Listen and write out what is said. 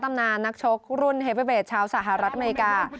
นานนักชกรุ่นเฮเวอร์เบสชาวสหรัฐอเมริกา